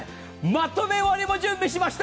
まとめ割も準備しました。